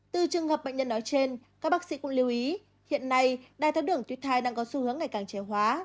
từ trường hợp bệnh nhân nói trên các bác sĩ cũng lưu ý hiện nay đai tháo đường tuyệt thai đang có xu hướng ngày càng trẻ hóa